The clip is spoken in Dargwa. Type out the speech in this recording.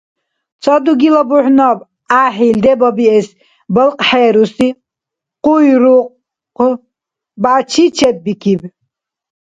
Ца дугила бухӀнаб гӀяхӀил дебабиэс балкьхӀеурси къуйрукъ, бячи, чеббикиб.